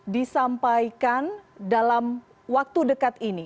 disampaikan dalam waktu dekat ini